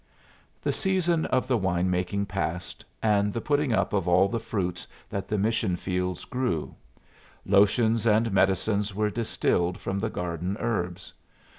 The season of the wine making passed, and the putting up of all the fruits that the mission fields grew. Lotions and medicines were distilled from the garden herbs.